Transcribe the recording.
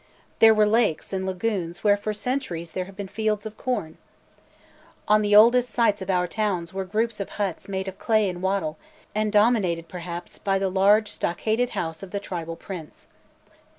There were lakes and lagoons where for centuries there have been fields of corn. On the oldest sites of our towns were groups of huts made of clay and wattle, and dominated, perhaps, by the large stockaded house of the tribal prince.